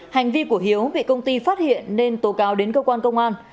hành vi của hiếu bị công ty phát hiện nên tố cáo đến cơ quan công an